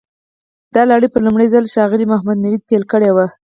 دا لړۍ په لومړي ځل ښاغلي محمد نوید پیل کړې وه.